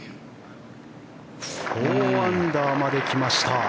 ４アンダーまで来ました。